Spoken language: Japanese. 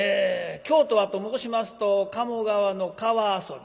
京都はと申しますと鴨川の川遊び